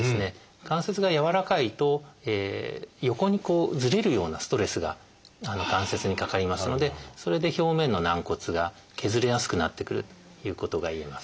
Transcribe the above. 関節がやわらかいと横にずれるようなストレスが関節にかかりますのでそれで表面の軟骨が削れやすくなってくるということがいえます。